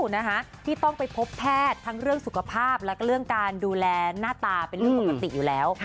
นะคะที่ต้องไปพบแพทย์ทั้งเรื่องสุขภาพแล้วก็เรื่องการดูแลหน้าตาเป็นเรื่องปกติอยู่แล้ว